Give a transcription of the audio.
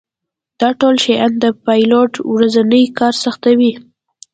دا ټول شیان د پیلوټ ورځنی کار سختوي